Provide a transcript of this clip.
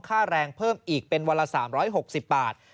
ค่าแรงเพิ่มอีกเป็นวันละ๓๖๐บาท